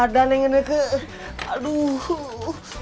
kau pengen jadi pilot